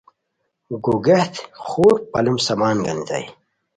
گوگیہت خور پالوم سامان گانیتانی